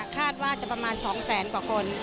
คาดว่าจะประมาณ๒แสนกว่าคน